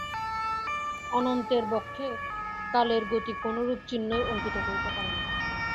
অনন্তের বক্ষে কালের গতি কোনরূপ চিহ্নই অঙ্কিত করিতে পারে না।